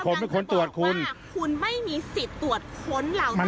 คุณกำลังบอกว่าคุณไม่มีสิทธิ์ตรวจคนเรา